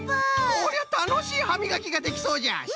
こりゃたのしいはみがきができそうじゃ。